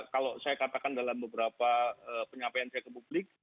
kalau saya katakan dalam beberapa penyampaian saya ke publik